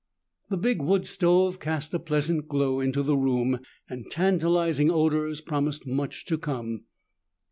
The big wood stove cast a pleasant glow into the room, and tantalizing odors promised much to come.